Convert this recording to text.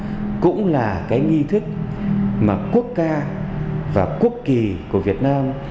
đó cũng là cái nghi thức mà quốc ca và quốc kỳ của việt nam